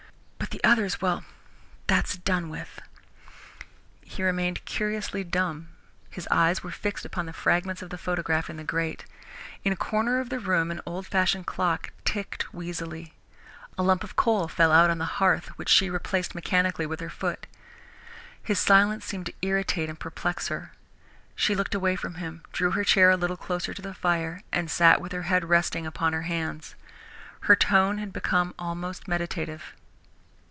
But the others well, that's done with." He remained curiously dumb. His eyes were fixed upon the fragments of the photograph in the grate. In a corner of the room an old fashioned clock ticked wheezily. A lump of coal fell out on the hearth, which she replaced mechanically with her foot. His silence seemed to irritate and perplex her. She looked away from him, drew her chair a little closer to the fire, and sat with her head resting upon her hands. Her tone had become almost meditative.